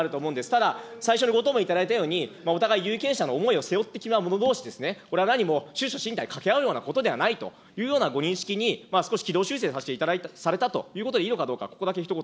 ただ、最初にご答弁いただいたように、お互い有権者の思いを背負ってきた者どうし、これはなにも出処進退かけ合うようなことではないというようなご認識に、少し軌道修正されたということでいいかどうか、ここだけひと言